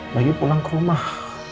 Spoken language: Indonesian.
lagi pulang ke rumah